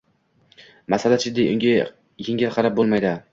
– masala jiddiy, unga yengil qarab bo‘lmaydi.